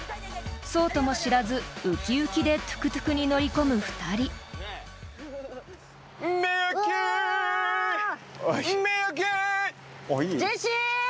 ［そうとも知らず浮き浮きでトゥクトゥクに乗り込む２人］うわ！